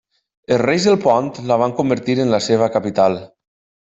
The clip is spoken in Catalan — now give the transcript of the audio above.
Els reis del Pont la van convertir en la seva capital.